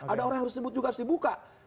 ada orang yang harus disebut juga harus dibuka